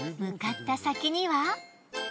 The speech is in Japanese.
向かった先には。